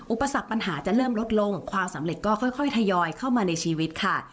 อุปสรรคปัญหาจะเริ่มลดลงความสำเร็จก็ค่อยทยอยเข้ามาในชีวิตค่ะ